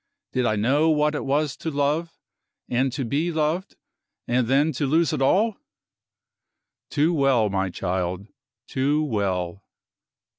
Did I know what it was to love, and to be loved, and then to lose it all? "Too well, my child; too well!"